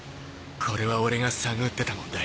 これは俺が探ってた問題。